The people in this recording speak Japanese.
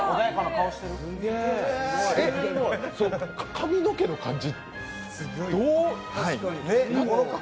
髪の毛の感じ、どう？